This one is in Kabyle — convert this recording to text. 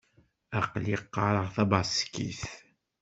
Aql-i qqareɣ tabaṣkit.